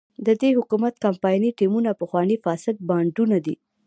د دې حکومت کمپایني ټیمونه پخواني فاسد بانډونه دي.